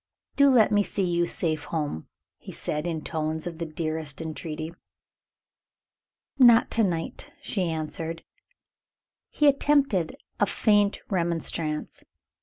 "Do let me see you safe home!" he said, in tones of the tenderest entreaty. "Not to night," she answered. He attempted a faint remonstrance.